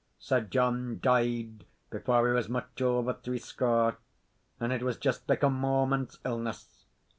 Sir John died before he was much over threescore; and it was just like a moment's illness.